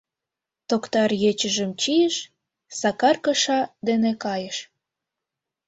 Токтар ечыжым чийыш, Сакар кыша дене кайыш.